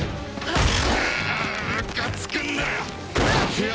むかつくんだよ！